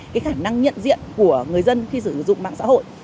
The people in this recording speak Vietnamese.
cái khả năng nhận diện của người dân khi sử dụng mạng xã hội